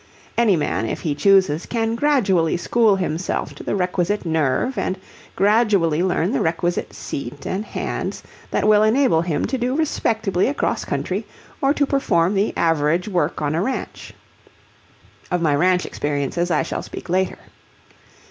Any man, if he chooses, can gradually school himself to the requisite nerve, and gradually learn the requisite seat and hands, that will enable him to do respectably across country, or to perform the average work on a ranch. Of my ranch experiences I shall speak later.